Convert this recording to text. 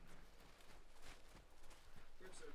Věnoval také pozornost postiženým.